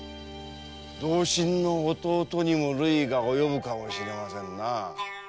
同心の弟にも累が及ぶかもしれませんなぁ。